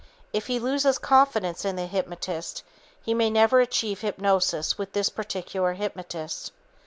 If he loses confidence in the hypnotist, he may never achieve hypnosis with this particular hypnotist.